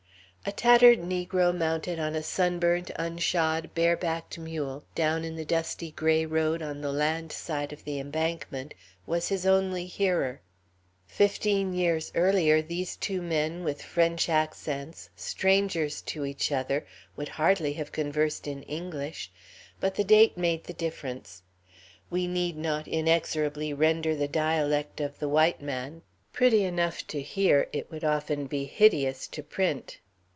A tattered negro mounted on a sunburnt, unshod, bare backed mule, down in the dusty gray road on the land side of the embankment, was his only hearer. Fifteen years earlier these two men, with French accents, strangers to each other, would hardly have conversed in English; but the date made the difference. We need not inexorably render the dialect of the white man; pretty enough to hear, it would often be hideous to print.